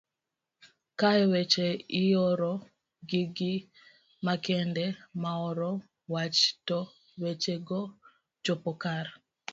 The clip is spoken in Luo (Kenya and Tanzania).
kae weche ioro gi gi makende maoro wach to weche go chopo kar